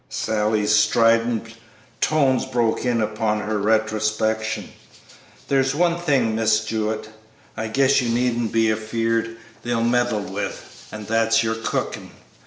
Sally's strident tones broke in upon her retrospection: "There's one thing, Miss Jewett, I guess you needn't be afeard they'll meddle with, and that's your cookin'.